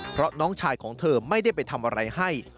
เพราะน้องชายของเธอไม่ได้ไปทำอะไรให้